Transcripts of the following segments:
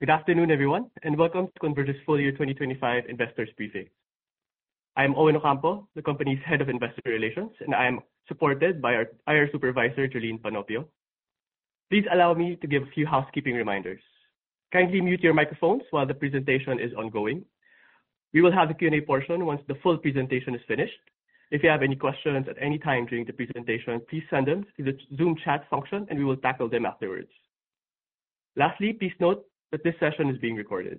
Good afternoon, everyone, and welcome to Converge's full year 2025 investors' briefing. I'm Owen Ocampo, the company's head of investor relations, and I am supported by our IR supervisor, Julyn Panopio. Please allow me to give a few housekeeping reminders. Kindly mute your microphones while the presentation is ongoing. We will have a Q&A portion once the full presentation is finished. If you have any questions at any time during the presentation, please send them to the Zoom chat function, and we will tackle them afterwards. Lastly, please note that this session is being recorded.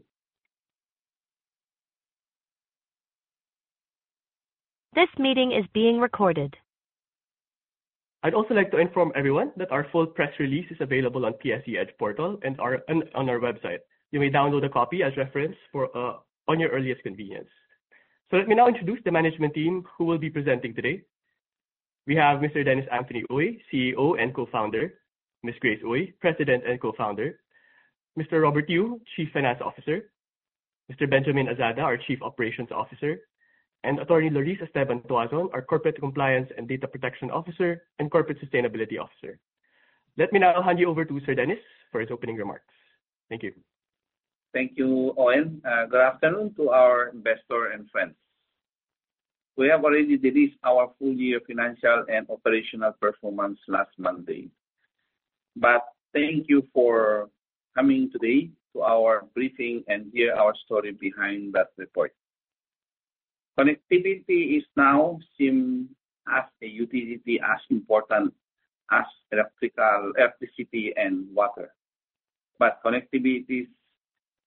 I'd also like to inform everyone that our full press release is available on PSE EDGE portal and on our website. You may download a copy as reference for, on your earliest convenience. Let me now introduce the management team who will be presenting today. We have Mr. Dennis Anthony Uy, CEO and Co-Founder; Ms. Grace Uy, President and Co-Founder; Mr. Robert Yu, Chief Finance Officer; Mr. Benjamin Azada, our Chief Operations Officer; and Attorney Laurice Esteban-Tuazon, our Corporate Compliance Officer, Data Protection Officer, and Corporate Sustainability Officer. Let me now hand you over to Sir Dennis for his opening remarks. Thank you. Thank you, Owen. Good afternoon to our investor and friends. We have already released our full year financial and operational performance last Monday. Thank you for coming today to our briefing and hear our story behind that report. Connectivity is now seen as a utility as important as electricity and water. Connectivity is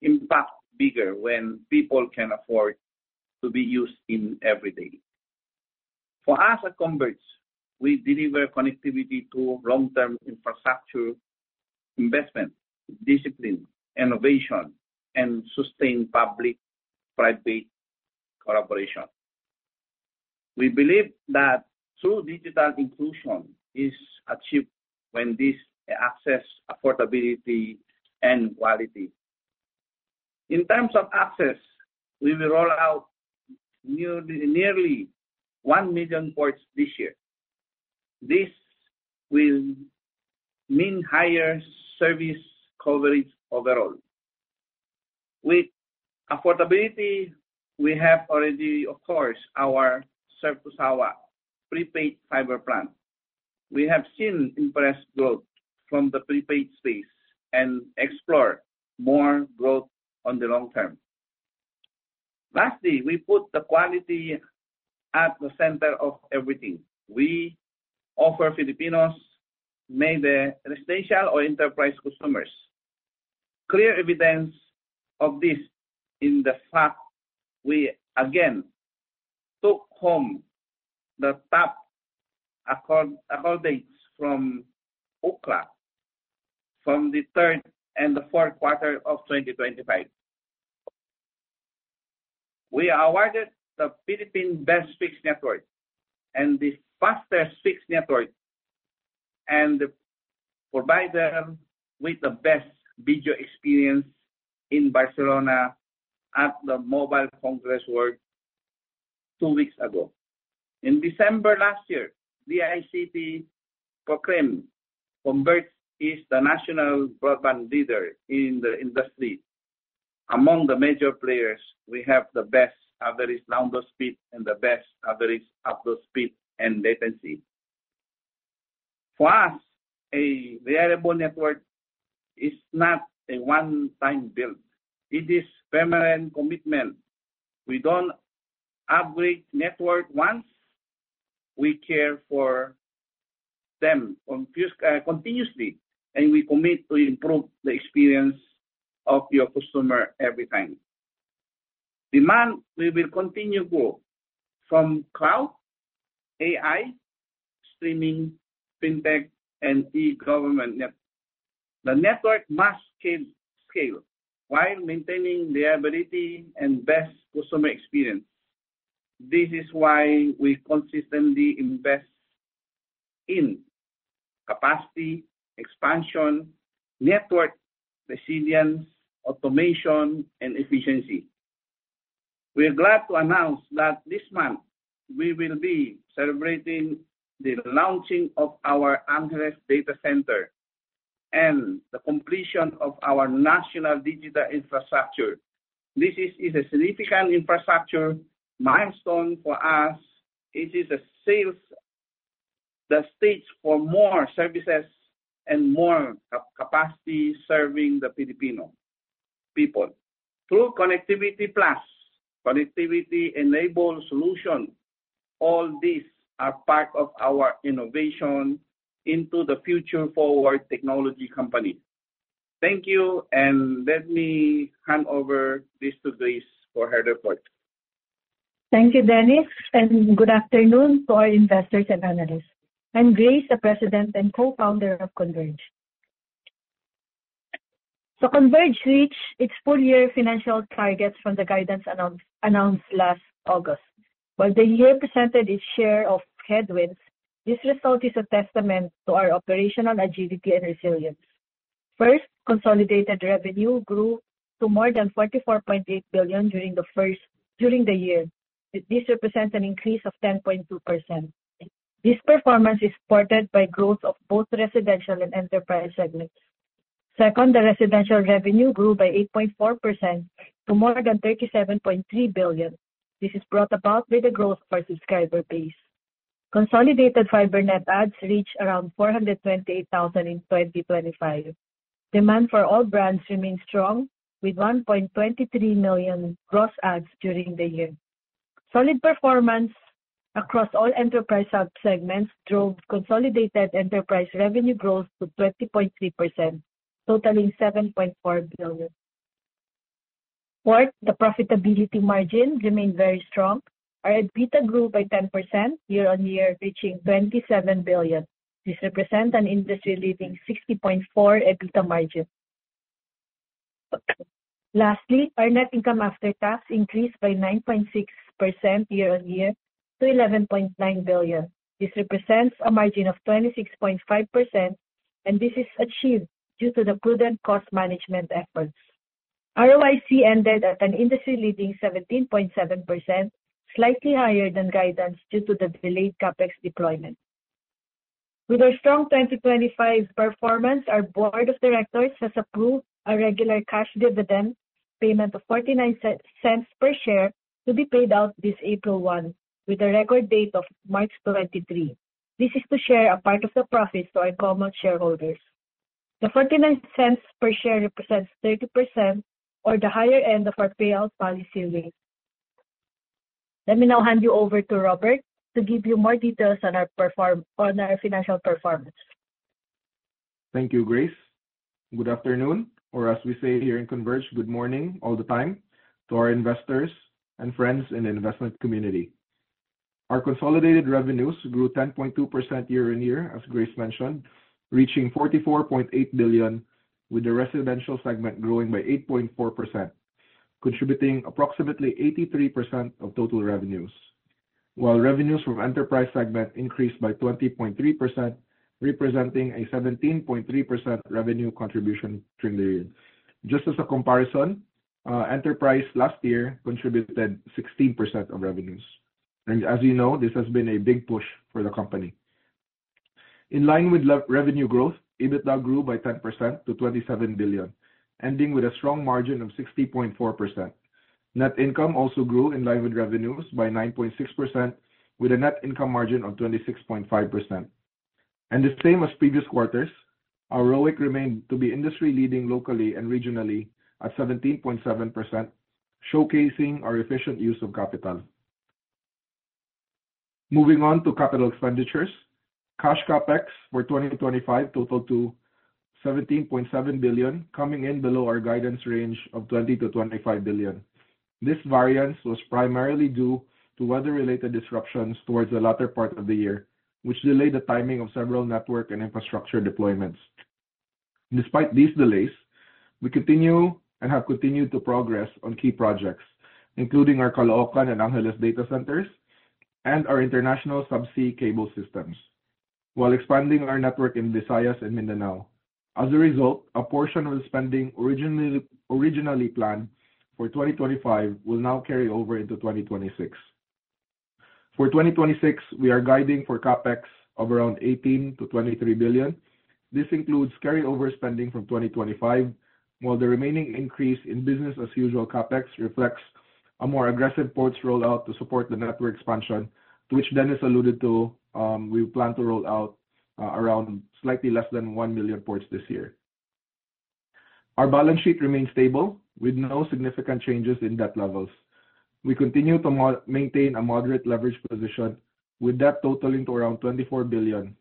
impact bigger when people can afford to be used in every day. For us at Converge, we deliver connectivity through long-term infrastructure investment, discipline, innovation, and sustained public-private collaboration. We believe that true digital inclusion is achieved when this access affordability and quality. In terms of access, we will roll out nearly 1 million ports this year. This will mean higher service coverage overall. With affordability, we have already, of course, our Surf2Sawa prepaid fiber plan. We have seen impressive growth from the prepaid space and explore more growth on the long term. Lastly, we put the quality at the center of everything. We offer Filipinos, may they residential or enterprise customers. Clear evidence of this in the fact we again took home the top accolades from Ookla from the third and the fourth quarter of 2025. We are awarded the Philippine Best Fixed Network and the Fastest Fixed Network and provide them with the best video experience in Barcelona at the Mobile World Congress two weeks ago. In December last year, the DICT proclaimed, Converge is the National Broadband Leader in the industry. Among the major players, we have the best average download speed and the best average upload speed and latency. For us, a reliable network is not a one-time build. It is permanent commitment. We don't upgrade network once. We care for them continuously. We commit to improve the experience of your customer every time. Demand will continue grow from cloud, AI, streaming, fintech, and e-government. The network must scale while maintaining reliability and best customer experience. This is why we consistently invest in capacity, expansion, network resilience, automation, and efficiency. We're glad to announce that this month we will be celebrating the launching of our Angeles data center and the completion of our national digital infrastructure. This is a significant infrastructure milestone for us. It sets the stage for more services and more capacity serving the Filipino people. Through Connectivity Plus, connectivity-enabled solution, all these are part of our innovation into the future-forward technology company. Thank you. Let me hand over this to Grace for her report. Thank you, Dennis, and good afternoon to our investors and analysts. I'm Grace, the President and Co-Founder of Converge. Converge reached its full year financial targets from the guidance announced last August. While the year presented its share of headwinds, this result is a testament to our operational agility and resilience. First, consolidated revenue grew to more than 44.8 billion during the year. This represents an increase of 10.2%. This performance is supported by growth of both residential and enterprise segments. Second, the residential revenue grew by 8.4% to more than 37.3 billion. This is brought about by the growth of our subscriber base. Consolidated fiber net adds reached around 428,000 in 2025. Demand for all brands remains strong, with 1.23 million gross adds during the year. Solid performance across all enterprise sub-segments drove consolidated enterprise revenue growth to 20.3%, totaling 7.4 billion. Fourth, the profitability margin remained very strong. Our EBITDA grew by 10% year-on-year, reaching 27 billion. This represents an industry leading 60.4% EBITDA margin. Lastly, our net income after tax increased by 9.6% year-on-year to 11.9 billion. This represents a margin of 26.5%, this is achieved due to the prudent cost management efforts. ROIC ended at an industry leading 17.7%, slightly higher than guidance due to the delayed CapEx deployment. With our strong 2025 performance, our board of directors has approved a regular cash dividend payment of 0.49 per share to be paid out this April 1 with a record date of March 23. This is to share a part of the profits to our common shareholders. The 0.49 per share represents 30% or the higher end of our payout policy range. Let me now hand you over to Robert to give you more details on our financial performance. Thank you, Grace. Good afternoon, or as we say here in Converge, good morning all the time to our investors and friends in the investment community. Our consolidated revenues grew 10.2% year-on-year, as Grace mentioned, reaching 44.8 billion, with the residential segment growing by 8.4%, contributing approximately 83% of total revenues. While revenues from enterprise segment increased by 20.3%, representing a 17.3% revenue contribution during the year. Just as a comparison, enterprise last year contributed 16% of revenues. In line with revenue growth, EBITDA grew by 10% to 27 billion, ending with a strong margin of 60.4%. Net income also grew in line with revenues by 9.6% with a net income margin of 26.5%. The same as previous quarters, our ROIC remained to be industry leading locally and regionally at 17.7%, showcasing our efficient use of capital. Moving on to capital expenditures. Cash CapEx for 2025 totaled to 17.7 billion, coming in below our guidance range of 20 billion-25 billion. This variance was primarily due to weather-related disruptions towards the latter part of the year, which delayed the timing of several network and infrastructure deployments. Despite these delays, we continue and have continued to progress on key projects, including our Caloocan and Angeles data centers and our international subsea cable systems while expanding our network in Visayas and Mindanao. As a result, a portion of the spending originally planned for 2025 will now carry over into 2026. For 2026, we are guiding for CapEx of around 18 billion-23 billion. This includes carryover spending from 2025, while the remaining increase in business as usual CapEx reflects a more aggressive ports rollout to support the network expansion, to which Dennis alluded to, we plan to roll out around slightly less than 1 million ports this year. Our balance sheet remains stable with no significant changes in debt levels. We continue to maintain a moderate leverage position, with debt totaling to around 24 billion.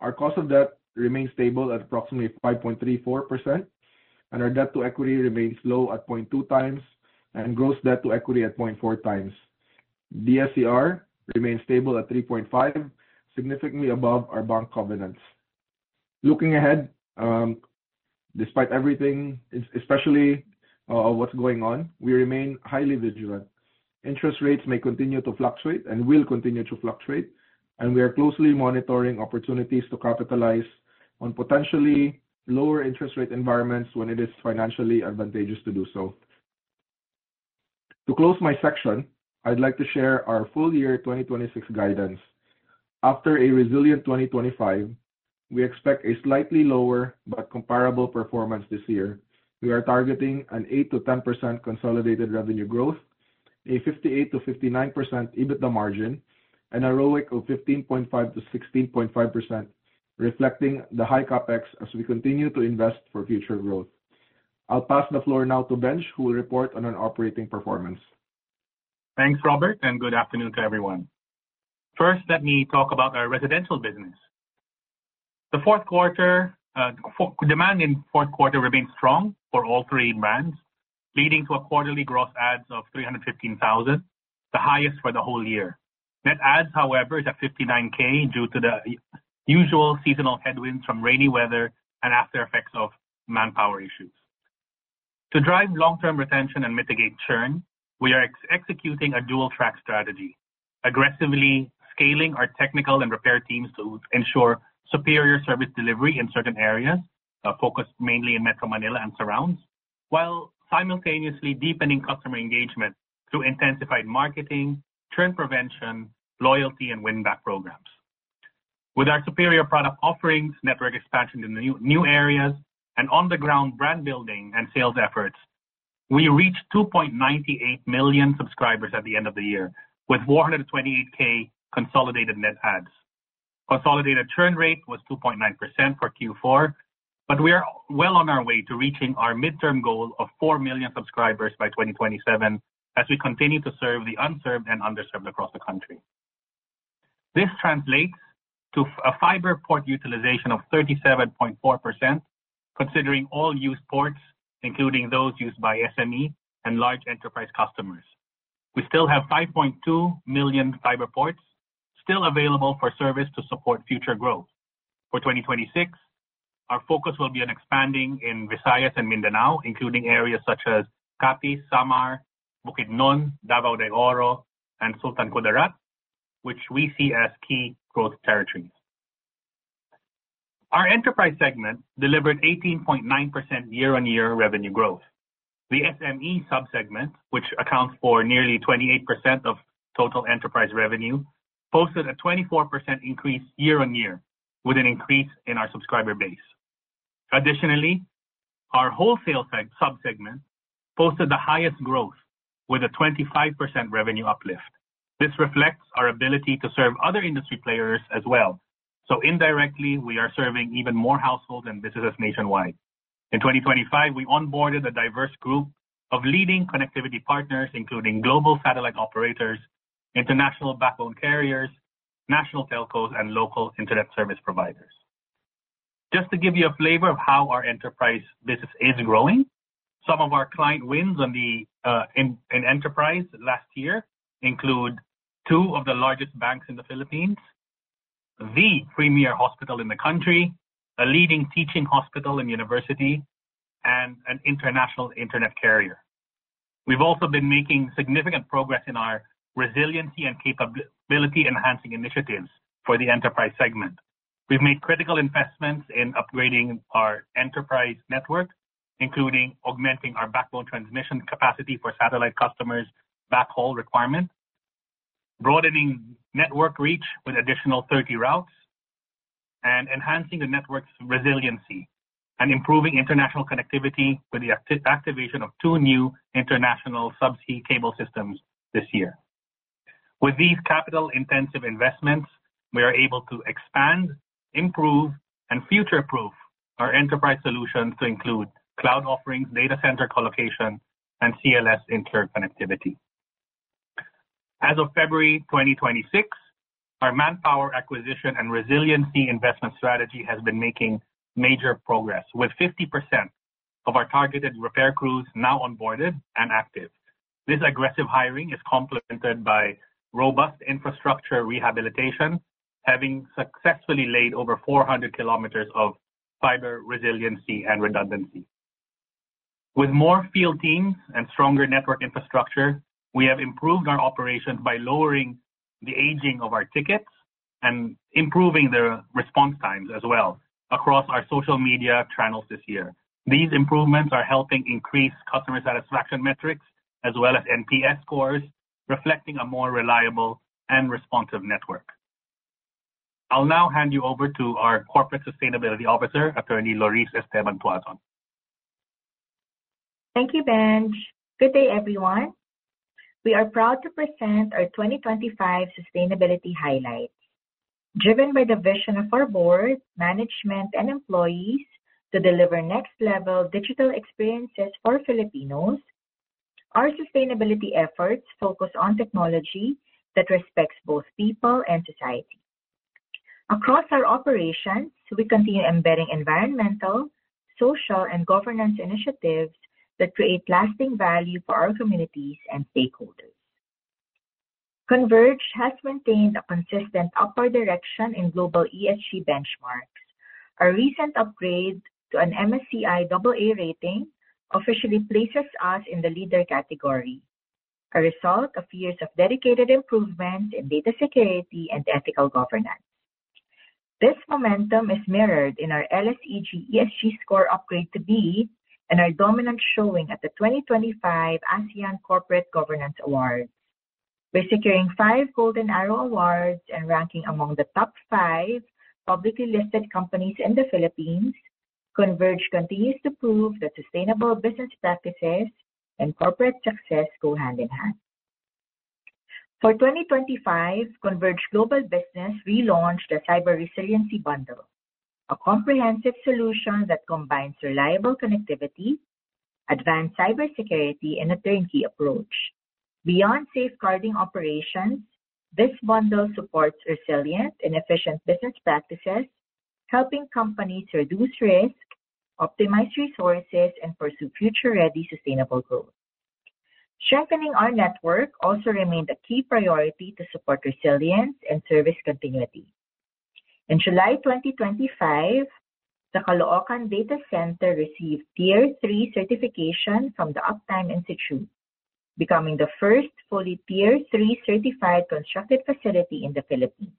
Our cost of debt remains stable at approximately 5.34%, and our debt-to-equity remains low at 0.2x and gross debt-to-equity at 0.4x. DSCR remains stable at 3.5x, significantly above our bank covenants. Looking ahead, despite everything especially what's going on, we remain highly vigilant. Interest rates may continue to fluctuate and will continue to fluctuate, and we are closely monitoring opportunities to capitalize on potentially lower interest rate environments when it is financially advantageous to do so. To close my section, I'd like to share our full year 2026 guidance. After a resilient 2025, we expect a slightly lower but comparable performance this year. We are targeting an 8%-10% consolidated revenue growth, a 58%-59% EBITDA margin, and a ROIC of 15.5%-16.5%, reflecting the high CapEx as we continue to invest for future growth. I'll pass the floor now to Benj, who will report on our operating performance. Thanks, Robert, and good afternoon to everyone. First, let me talk about our residential business. The fourth quarter, demand in fourth quarter remained strong for all three brands, leading to a quarterly gross adds of 315,000, the highest for the whole year. Net adds, however, is at 59,000 due to the usual seasonal headwinds from rainy weather and after effects of manpower issues. To drive long-term retention and mitigate churn, we are executing a dual-track strategy, aggressively scaling our technical and repair teams to ensure superior service delivery in certain areas, focused mainly in Metro Manila and surrounds, while simultaneously deepening customer engagement through intensified marketing, churn prevention, loyalty, and win-back programs. With our superior product offerings, network expansion in new areas, and on-the-ground brand building and sales efforts, we reached 2.98 million subscribers at the end of the year, with 428,000 consolidated net adds. Consolidated churn rate was 2.9% for Q4, but we are well on our way to reaching our midterm goal of 4 million subscribers by 2027 as we continue to serve the unserved and underserved across the country. This translates to a fiber port utilization of 37.4% considering all used ports, including those used by SME and large enterprise customers. We still have 5.2 million fiber ports still available for service to support future growth. For 2026, our focus will be on expanding in Visayas and Mindanao, including areas such as Capiz, Samar, Bukidnon, Davao de Oro, and Sultan Kudarat, which we see as key growth territories. Our enterprise segment delivered 18.9% year-on-year revenue growth. The SME sub-segment, which accounts for nearly 28% of total enterprise revenue, posted a 24% increase year-on-year, with an increase in our subscriber base. Our wholesale sub-segment posted the highest growth with a 25% revenue uplift. Indirectly, we are serving even more households and businesses nationwide. In 2025, we onboarded a diverse group of leading connectivity partners, including global satellite operators, international backbone carriers, national telcos, and local internet service providers. Just to give you a flavor of how our enterprise business is growing, some of our client wins on the in enterprise last year include two of the largest banks in the Philippines, the premier hospital in the country, a leading teaching hospital and university, and an international internet carrier. We've also been making significant progress in our resiliency and capability enhancing initiatives for the enterprise segment. We've made critical investments in upgrading our enterprise network, including augmenting our backbone transmission capacity for satellite customers' backhaul requirements, broadening network reach with additional 30 routes, and enhancing the network's resiliency, and improving international connectivity with the activation of two new international subsea cable systems this year. With these capital-intensive investments, we are able to expand, improve, and future-proof our enterprise solutions to include cloud offerings, data center colocation, and CLS interconnectivity. As of February 2026, our manpower acquisition and resiliency investment strategy has been making major progress, with 50% of our targeted repair crews now onboarded and active. This aggressive hiring is complemented by robust infrastructure rehabilitation, having successfully laid over 400 kilometers of fiber resiliency and redundancy. With more field teams and stronger network infrastructure, we have improved our operations by lowering the aging of our tickets and improving the response times as well across our social media channels this year. These improvements are helping increase customer satisfaction metrics as well as NPS scores, reflecting a more reliable and responsive network. I'll now hand you over to our Corporate Sustainability Officer, Attorney Laurice Esteban-Tuazon. Thank you, Benj. Good day, everyone. We are proud to present our 2025 sustainability highlights. Driven by the vision of our board, management, and employees to deliver next-level digital experiences for Filipinos, our sustainability efforts focus on technology that respects both people and society. Across our operations, we continue embedding environmental, social, and governance initiatives that create lasting value for our communities and stakeholders. Converge has maintained a consistent upward direction in global ESG benchmarks. A recent upgrade to an MSCI AA rating officially places us in the leader category, a result of years of dedicated improvement in data security and ethical governance. This momentum is mirrored in our LSEG ESG score upgrade to B and our dominant showing at the 2025 ASEAN Corporate Governance Scorecard. By securing five Golden Arrow Awards and ranking among the top five publicly listed companies in the Philippines, Converge continues to prove that sustainable business practices and corporate success go hand in hand. For 2025, Converge Global Business relaunched a cyber resiliency bundle, a comprehensive solution that combines reliable connectivity, advanced cybersecurity, and a turnkey approach. Beyond safeguarding operations, this bundle supports resilient and efficient business practices, helping companies reduce risk, optimize resources, and pursue future-ready sustainable growth. Strengthening our network also remained a key priority to support resilience and service continuity. In July 2025, the Caloocan Data Center received Tier III certification from the Uptime Institute, becoming the first fully Tier III certified constructed facility in the Philippines.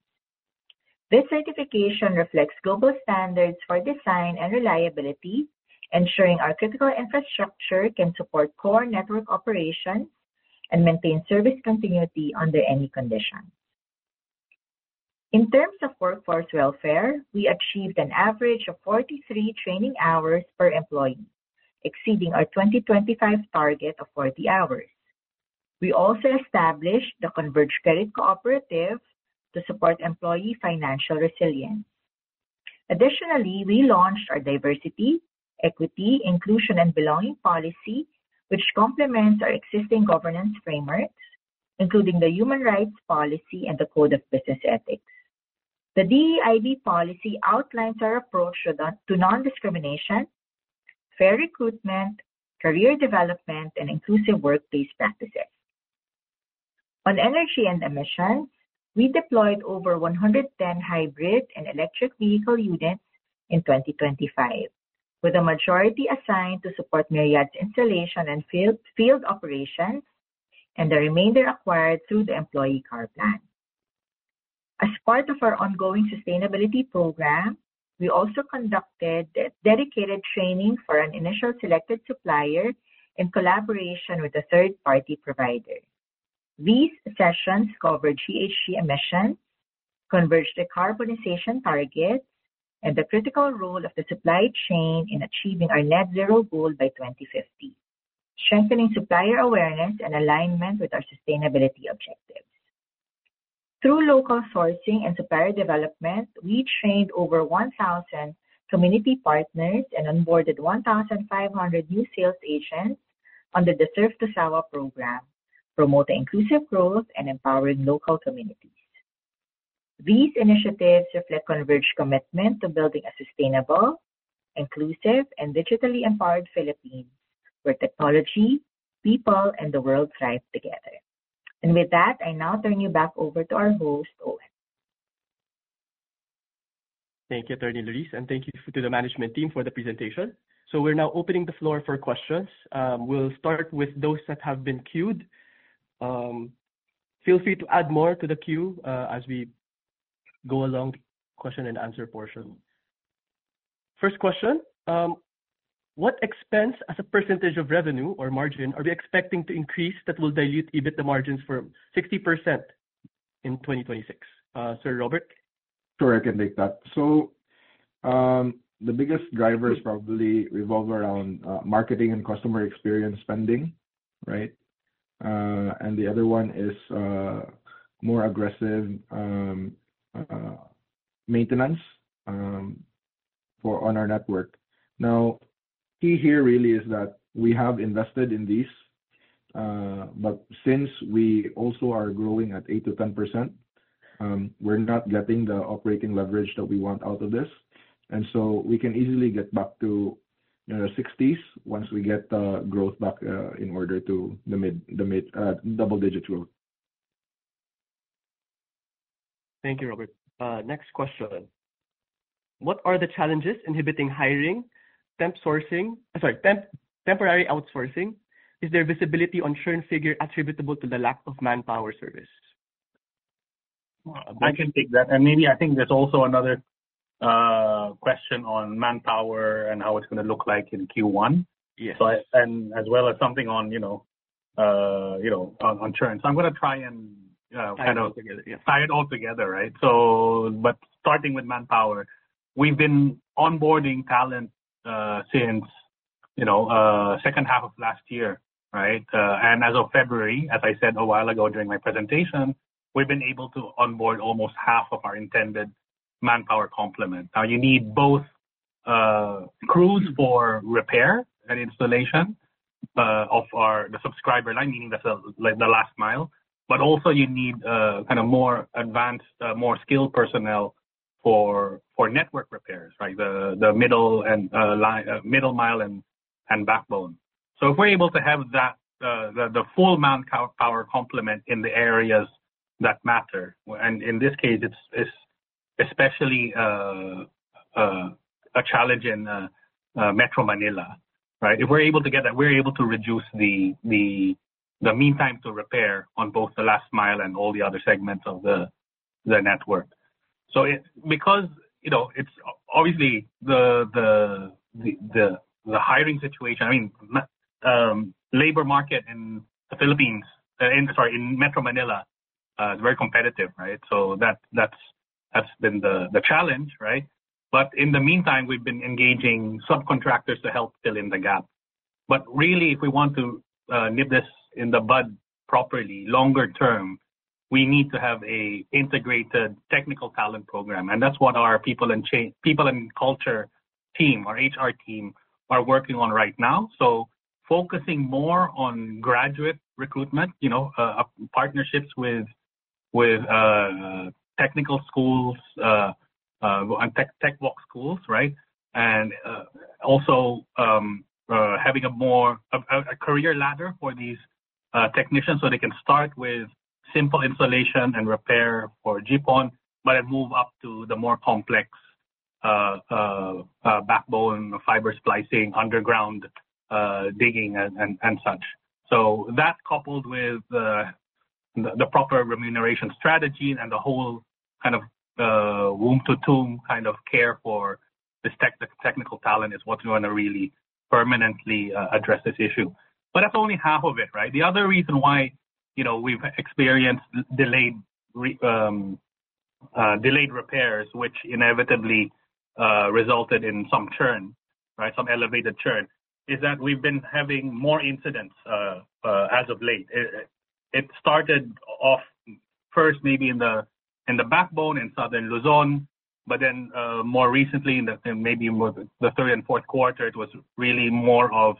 This certification reflects global standards for design and reliability, ensuring our critical infrastructure can support core network operations and maintain service continuity under any condition. In terms of workforce welfare, we achieved an average of 43 training hours per employee, exceeding our 2025 target of 40 hours. We also established the Converge Credit Cooperative to support employee financial resilience. Additionally, we launched our diversity, equity, inclusion, and belonging policy, which complements our existing governance framework, including the human rights policy and the code of business ethics. The DEIB policy outlines our approach to non-discrimination, fair recruitment, career development, and inclusive workplace practices. On energy and emissions, we deployed over 110 hybrid and electric vehicle units in 2025, with the majority assigned to support Myriad installation and field operations and the remainder acquired through the employee car plan. As part of our ongoing sustainability program, we also conducted dedicated training for an initial selected supplier in collaboration with a third-party provider. These sessions covered GHG emissions, Converge decarbonization targets, and the critical role of the supply chain in achieving our net zero goal by 2050, strengthening supplier awareness and alignment with our sustainability objectives. Through local sourcing and supplier development, we trained over 1,000 community partners and onboarded 1,500 new sales agents under the Surf2Sawa program, promoting inclusive growth and empowering local communities. These initiatives reflect Converge commitment to building a sustainable, inclusive, and digitally empowered Philippines where technology, people, and the world thrive together. With that, I now turn you back over to our host, Owen. Thank you, Attorney Laurice, and thank you to the management team for the presentation. We're now opening the floor for questions. We'll start with those that have been queued. Feel free to add more to the queue as we go along question and answer portion. First question. What expense as a percentage of revenue or margin are we expecting to increase that will dilute EBITDA margins for 60% in 2026? Sir Robert? Sure, I can take that. The biggest drivers probably revolve around marketing and customer experience spending, right? The other one is more aggressive maintenance on our network. Now, key here really is that we have invested in these, but since we also are growing at 8%-10%, we're not getting the operating leverage that we want out of this. We can easily get back to, you know, 60%s once we get the growth back in order to limit double-digit growth. Thank you, Robert. Next question: What are the challenges inhibiting hiring, I'm sorry, temporary outsourcing? Is there visibility on churn figure attributable to the lack of manpower service? I can take that. Maybe I think there's also another question on manpower and how it's gonna look like in Q1. Yes. And as well as something on, you know, you know, on churn. I'm gonna try and- Tie it all together. Yeah. Tie it all together, right. Starting with manpower, we've been onboarding talent, since, you know, second half of last year, right. And as of February, as I said a while ago during my presentation, we've been able to onboard almost half of our intended manpower complement. Now, you need both crews for repair and installation of the subscriber lining. That's like the last mile. Also you need kind of more advanced, more skilled personnel for network repairs, right. The middle and line, middle mile and backbone. If we're able to have that, the full manpower complement in the areas that matter, and in this case it's especially a challenge in Metro Manila, right. If we're able to get that, we're able to reduce the meantime to repair on both the last mile and all the other segments of the network. Because, you know, it's obviously the hiring situation. I mean, labor market in the Philippines, in, sorry, in Metro Manila, is very competitive, right? That's been the challenge, right? In the meantime, we've been engaging subcontractors to help fill in the gap. Really, if we want to nip this in the bud properly longer term, we need to have a integrated technical talent program, and that's what our people and culture team, our HR team are working on right now. Focusing more on graduate recruitment, you know, partnerships with technical schools, on tech voc schools, right? Also, having more of a career ladder for these technicians so they can start with simple installation and repair for GPON, then move up to the more complex backbone, fiber splicing, underground digging and such. That coupled with the proper remuneration strategy and the whole kind of womb to tomb kind of care for this technical talent is what's gonna really permanently address this issue. That's only half of it, right? The other reason why, you know, we've experienced delayed repairs, which inevitably resulted in some churn, right, some elevated churn, is that we've been having more incidents as of late. It started off first maybe in the backbone in Southern Luzon, more recently in maybe more the third and fourth quarter, it was really more of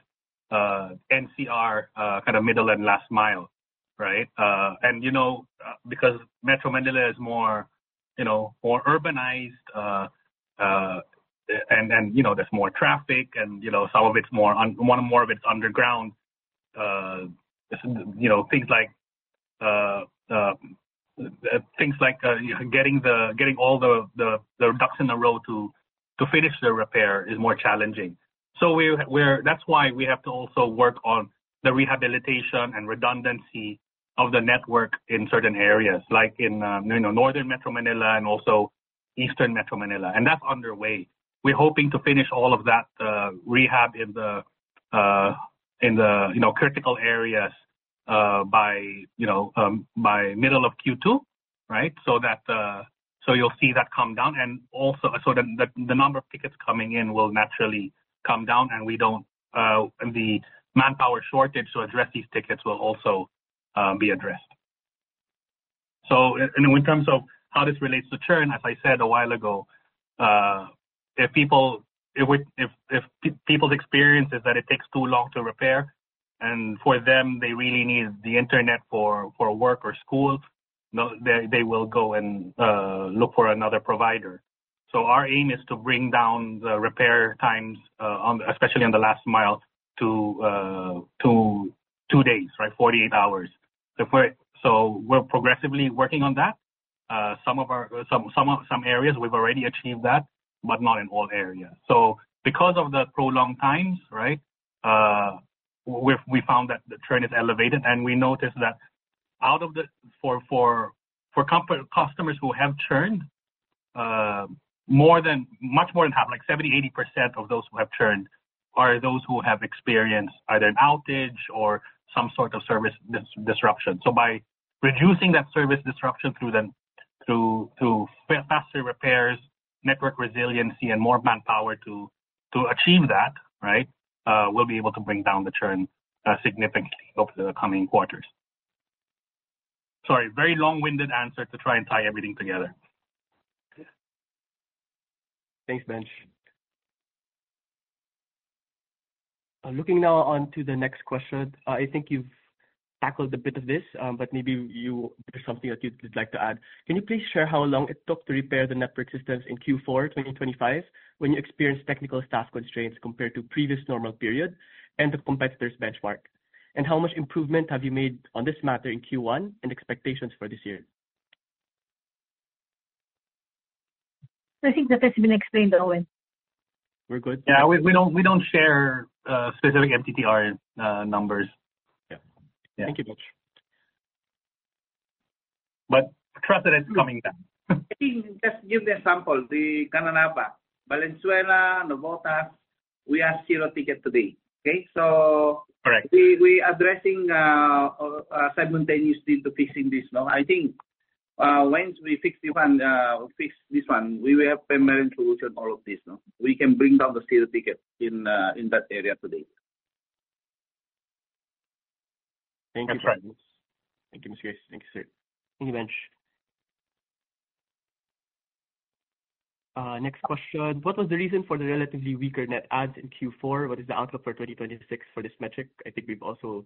NCR, kind of middle and last mile, right? You know, because Metro Manila is more, you know, more urbanized, and then, you know, there's more traffic and, you know, some of it's more underground. You know, things like getting all the ducks in a row to finish the repair is more challenging. That's why we have to also work on the rehabilitation and redundancy of the network in certain areas like in Northern Metro Manila and also Eastern Metro Manila, and that's underway. We're hoping to finish all of that rehab in the critical areas by middle of Q2. That you'll see that come down and the number of tickets coming in will naturally come down, and the manpower shortage to address these tickets will also be addressed. In terms of how this relates to churn, as I said a while ago, if people's experience is that it takes too long to repair and for them they really need the internet for work or school, no, they will go and look for another provider. Our aim is to bring down the repair times on, especially on the last mile to two days, right? 48 hours. We're progressively working on that. Some areas we've already achieved that, but not in all areas. Because of the prolonged times, right, we found that the churn is elevated. We noticed that out of the customers who have churned, more than, much more than half, like 70%, 80% of those who have churned are those who have experienced either an outage or some sort of service disruption. By reducing that service disruption through faster repairs, network resiliency and more manpower to achieve that, right, we'll be able to bring down the churn significantly over the coming quarters. Sorry, very long-winded answer to try and tie everything together. Thanks, Benj. Looking now onto the next question. I think you've tackled a bit of this, but maybe there's something that you'd like to add. Can you please share how long it took to repair the network systems in Q4 2025 when you experienced technical staff constraints compared to previous normal period and the competitor's benchmark? How much improvement have you made on this matter in Q1 and expectations for this year? I think that has been explained, Owen. We're good? Yeah, we don't share specific MTTR numbers. Yeah. Yeah. Thank you, Benj. Trust that it's coming down. I think just give the example, the Caloocan, Valenzuela, Navotas, we are zero ticket today, okay. Correct. We addressing simultaneous team to fixing this, no. I think, once we fix this one, we will have permanent solution all of this, no. We can bring down the zero ticket in that area today. That's right. Thank you. Thank you, Mr. Dennis. Thank you, sir. Thank you, Benj. Next question: What was the reason for the relatively weaker net adds in Q4? What is the outlook for 2026 for this metric? I think we've also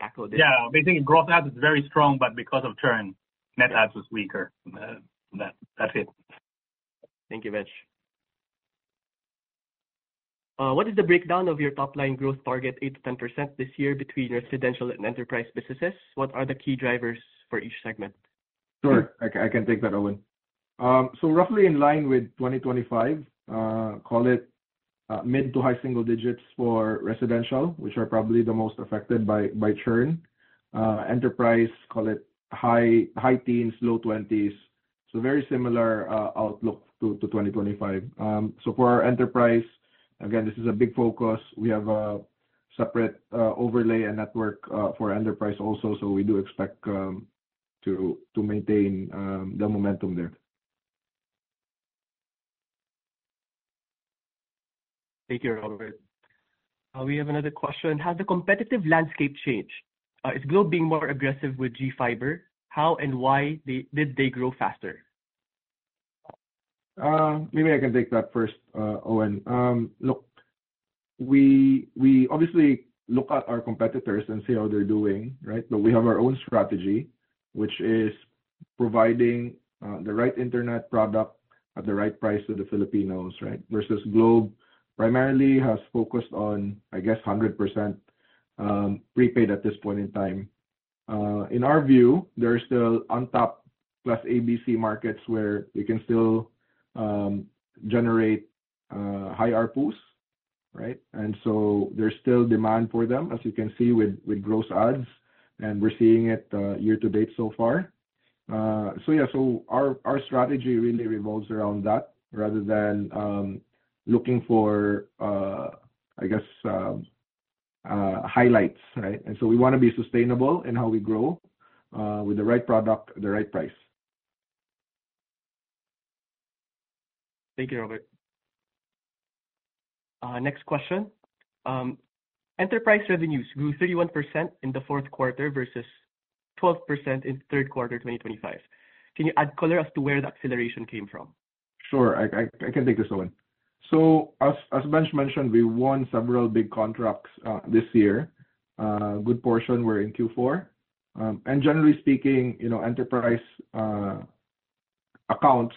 tackled this. Yeah. Basically, growth adds is very strong, but because of churn, net adds was weaker. That's it. Thank you, Benj. What is the breakdown of your top-line growth target, 8%-10% this year, between residential and enterprise businesses? What are the key drivers for each segment? Sure. I can take that, Owen. Roughly in line with 2025, call it mid to high single digits for residential, which are probably the most affected by churn. Enterprise, call it high teens, low 20s. Very similar outlook to 2025. For our enterprise, again, this is a big focus. We have a separate overlay and network for enterprise also, so we do expect to maintain the momentum there. Thank you, Robert. We have another question: Has the competitive landscape changed? Is Globe being more aggressive with GFiber? How and why did they grow faster? Maybe I can take that first, Owen. Look, we obviously look at our competitors and see how they're doing, right? We have our own strategy, which is providing the right internet product at the right price to the Filipinos, right? Versus Globe primarily has focused on, I guess, 100% prepaid at this point in time. In our view, there are still on top plus ABC markets where we can still generate high ARPU, right? There's still demand for them, as you can see with gross adds, and we're seeing it year to date so far. Yeah. Our strategy really revolves around that rather than looking for, I guess, highlights, right? We wanna be sustainable in how we grow with the right product at the right price. Thank you, Robert. Next question. Enterprise revenues grew 31% in the fourth quarter versus 12% in third quarter 2025. Can you add color as to where the acceleration came from? Sure. I can take this one. As Benj mentioned, we won several big contracts this year. A good portion were in Q4. Generally speaking, you know, enterprise accounts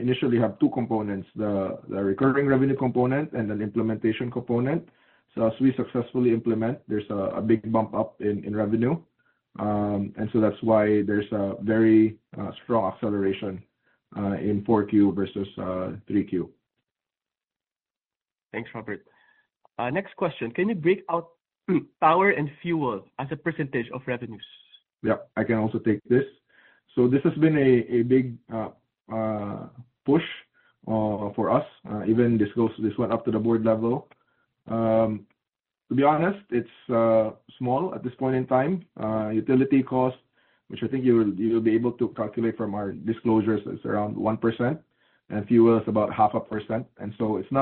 initially have two components, the recurring revenue component and an implementation component. As we successfully implement, there's a big bump up in revenue. That's why there's a very strong acceleration in 4Q versus 3Q. Thanks, Robert. Next question. Can you break out power and fuel as a percentage of revenues? Yeah, I can also take this. This has been a big push for us. Even this goes this one up to the board level. To be honest, it's small at this point in time. Utility costs, which I think you will, you'll be able to calculate from our disclosures, is around 1%. Fuel is about 0.5%. It's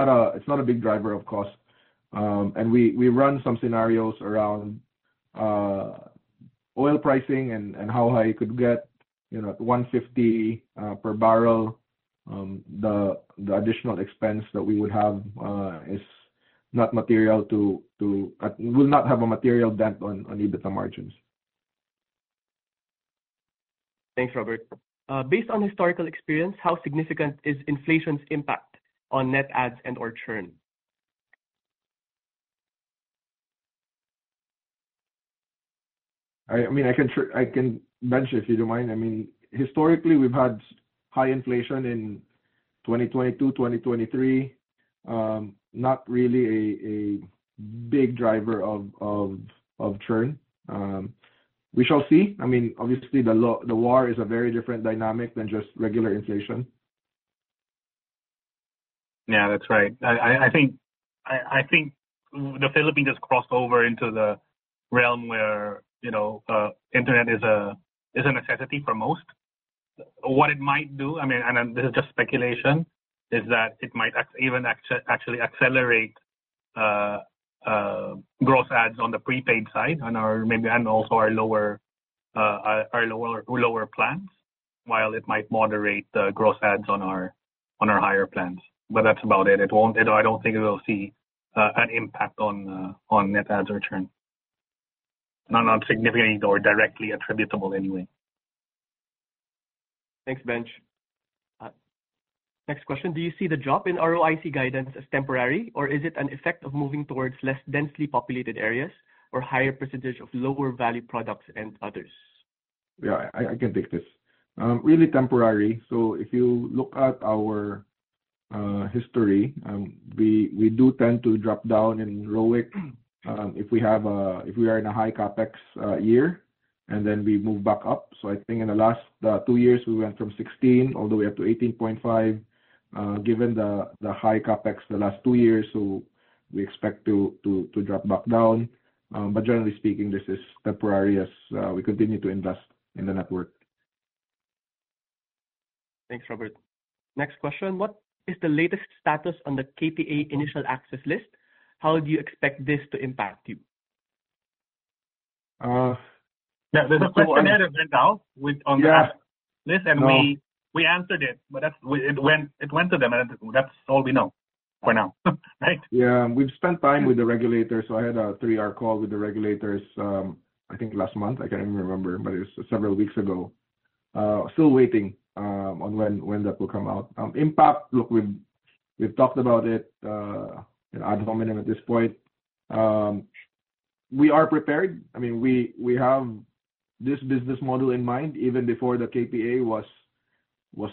not a big driver of cost. We run some scenarios around oil pricing and how high it could get, you know, at $150 per barrel. The additional expense that we would have will not have a material dent on EBITDA margins. Thanks, Robert. Based on historical experience, how significant is inflation's impact on net adds and/or churn? Benj, if you don't mind. I mean, historically, we've had high inflation in 2022, 2023. Not really a big driver of churn. We shall see. I mean, obviously the war is a very different dynamic than just regular inflation. Yeah. That's right. I think the Philippines has crossed over into the realm where, you know, internet is a necessity for most. What it might do, I mean, this is just speculation, is that it might even actually accelerate gross adds on the prepaid side and also our lower plans, while it might moderate the gross adds on our higher plans. That's about it. I don't think it will see an impact on net adds or churn. Not significantly or directly attributable anyway. Thanks, Benj. next question. Do you see the drop in ROIC guidance as temporary, or is it an effect of moving towards less densely populated areas or higher percentage of lower value products and others? Yeah, I can take this. Really temporary. If you look at our history, we do tend to drop down in ROIC if we are in a high CapEx year, and then we move back up. I think in the last two years, we went from 16% all the way up to 18.5%. Given the high CapEx the last two years, we expect to drop back down. Generally speaking, this is temporary as we continue to invest in the network. Thanks, Robert. Next question. What is the latest status on the KPA initial access list? How do you expect this to impact you? Uh, there's a- The questionnaire has been out on the list. Yeah. We answered it, but it went to them, and that's all we know for now. Right? Yeah. We've spent time with the regulators. I had a three-hour call with the regulators, I think last month. I can't even remember, but it was several weeks ago. Still waiting on when that will come out. Impact, look, we've talked about it ad nauseam at this point. We are prepared. I mean, we have this business model in mind even before the KPA was,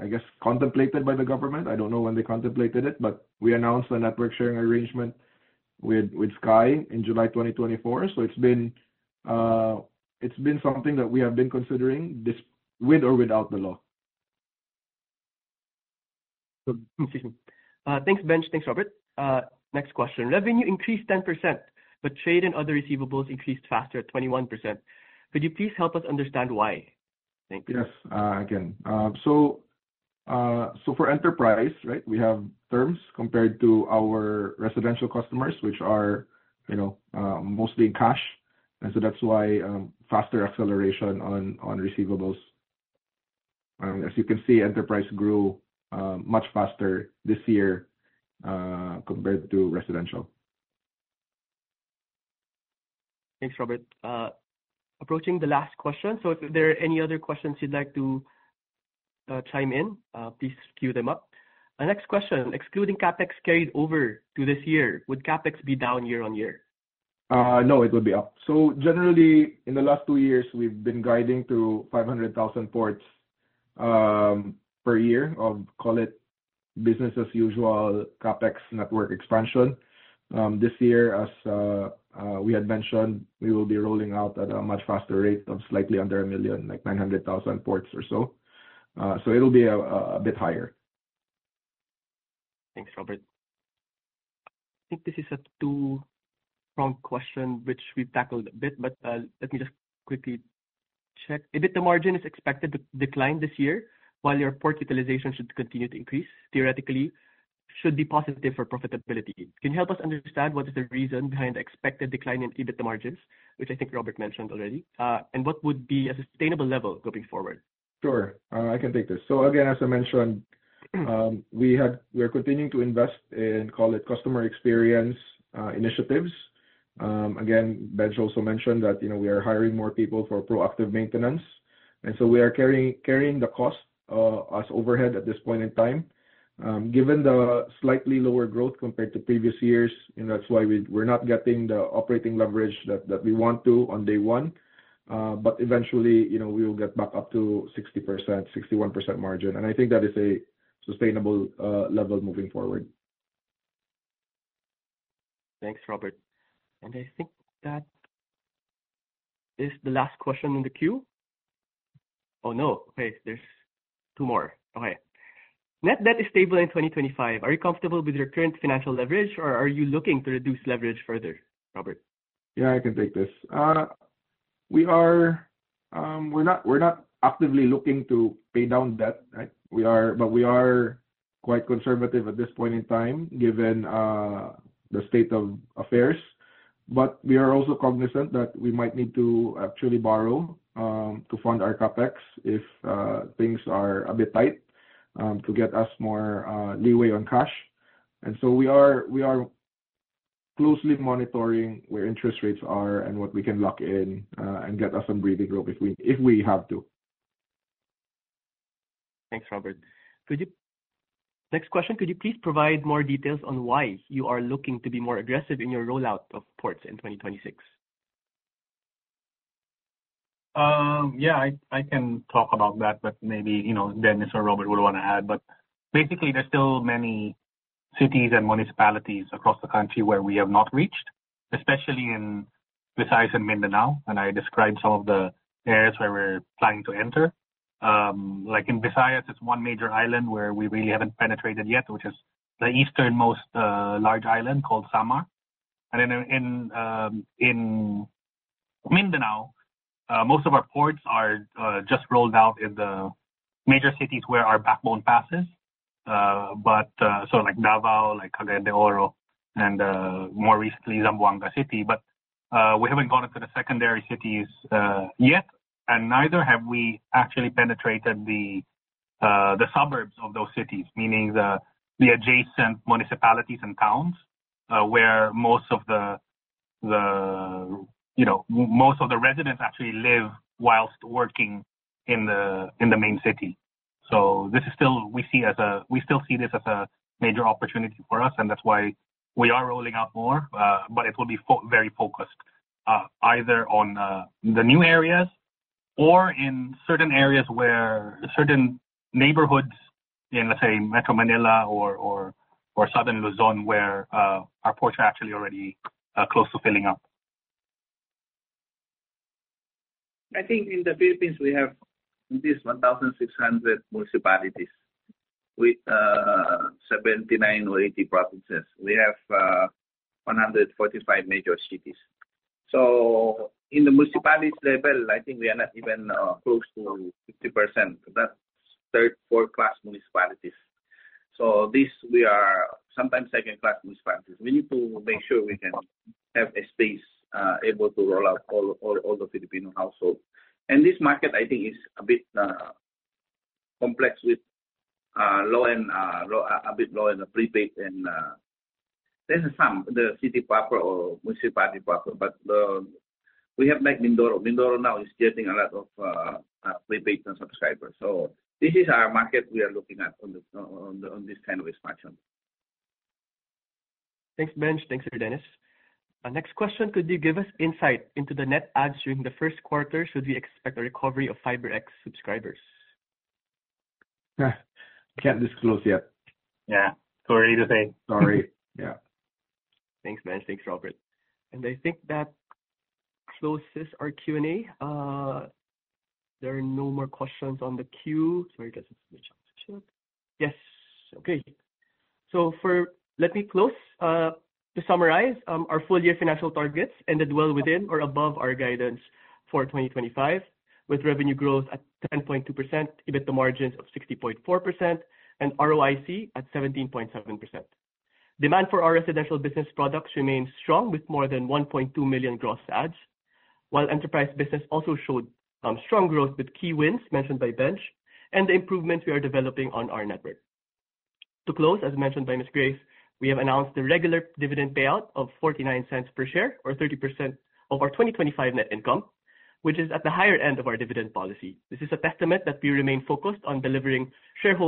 I guess, contemplated by the government. I don't know when they contemplated it, but we announced a network sharing arrangement with Sky in July 2024. It's been something that we have been considering with or without the law. Excuse me. Thanks, Benj. Thanks, Robert. Next question. Revenue increased 10%, trade and other receivables increased faster at 21%. Could you please help us understand why? Thank you. Yes. Again, for enterprise, right, we have terms compared to our residential customers, which are, you know, mostly in cash. That is why faster acceleration on receivables. As you can see, enterprise grew much faster this year compared to residential. Thanks, Robert. Approaching the last question. If there are any other questions you'd like to, chime in, please queue them up. Our next question: Excluding CapEx carried over to this year, would CapEx be down year-over-year? No, it would be up. Generally, in the last two years, we've been guiding to 500,000 ports per year of, call it, business as usual CapEx network expansion. This year, as we had mentioned, we will be rolling out at a much faster rate of slightly under 1 million, like 900,000 ports or so. It'll be a bit higher. Thanks, Robert. I think this is a two-prong question which we've tackled a bit, but let me just quickly check. EBITDA margin is expected to decline this year while your port utilization should continue to increase. Theoretically, should be positive for profitability. Can you help us understand what is the reason behind the expected decline in EBITDA margins, which I think Robert mentioned already, and what would be a sustainable level going forward? Sure. I can take this. Again, as I mentioned, we're continuing to invest in, call it, customer experience initiatives. Again, Benj also mentioned that, you know, we are hiring more people for proactive maintenance. We are carrying the cost as overhead at this point in time. Given the slightly lower growth compared to previous years, you know, that's why we're not getting the operating leverage that we want to on day one. Eventually, you know, we will get back up to 60%, 61% margin. I think that is a sustainable level moving forward. Thanks, Robert. I think that is the last question in the queue. Oh, no. Okay, there's two more. Okay. Net debt is stable in 2025. Are you comfortable with your current financial leverage or are you looking to reduce leverage further? Robert. Yeah, I can take this. We're not actively looking to pay down debt, right? We are quite conservative at this point in time, given the state of affairs. We are also cognizant that we might need to actually borrow to fund our CapEx if things are a bit tight to get us more leeway on cash. We are closely monitoring where interest rates are and what we can lock in and get us some breathing room if we have to. Thanks, Robert. Next question: Could you please provide more details on why you are looking to be more aggressive in your rollout of ports in 2026? Yeah, I can talk about that, maybe, you know, Dennis or Robert would want to add. Basically, there's still many cities and municipalities across the country where we have not reached, especially in Visayas and Mindanao, and I described some of the areas where we're planning to enter. Like in Visayas, it's one major island where we really haven't penetrated yet, which is the easternmost large island called Samar. In Mindanao, most of our ports are just rolled out in the major cities where our backbone passes. So like Davao, like Cagayan de Oro, and more recently, Zamboanga City. We haven't gone into the secondary cities yet, and neither have we actually penetrated the suburbs of those cities, meaning the adjacent municipalities and towns, where most of the, you know, most of the residents actually live whilst working in the main city. We still see this as a major opportunity for us, and that's why we are rolling out more, but it will be very focused either on the new areas or in certain areas where certain neighborhoods in, let's say, Metro Manila or Southern Luzon, where our ports are actually already close to filling up. I think in the Philippines, we have at least 1,600 municipalities with 79 or 80 provinces. We have 145 major cities. In the municipality level, I think we are not even close to 50%. That's third, fourth class municipalities. This, we are sometimes second class municipalities. We need to make sure we can have a space able to roll out all the Filipino households. This market, I think, is a bit complex with low and a bit low in the prepaid and there's some, the city proper or municipality proper, but we have met Mindoro. Mindoro now is getting a lot of prepaid and subscribers. This is our market we are looking at on this kind of expansion. Thanks, Benj. Thanks, Dennis. Our next question: Could you give us insight into the net adds during the first quarter? Should we expect a recovery of FiberX subscribers? Can't disclose yet. Yeah. Sorry to say. Sorry. Yeah. Thanks, Benj. Thanks, Robert. I think that closes our Q&A. There are no more questions on the queue. Sorry, guys, let me check. Yes. Okay. Let me close. To summarize, our full year financial targets ended well within or above our guidance for 2025, with revenue growth at 10.2%, EBITDA margins of 60.4%, and ROIC at 17.7%. Demand for our residential business products remains strong with more than 1.2 million gross adds, while enterprise business also showed strong growth with key wins mentioned by Benj and the improvement we are developing on our network. To close, as mentioned by Grace, we have announced a regular dividend payout of 0.49 per share or 30% of our 2025 net income, which is at the higher end of our dividend policy. This is a testament that we remain focused on delivering shareholders-